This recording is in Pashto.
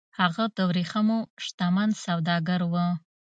هغه د ورېښمو شتمن سوداګر و